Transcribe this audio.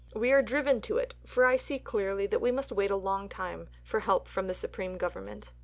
We are driven to it, for I see clearly that we must wait a long time for help from the Supreme Government....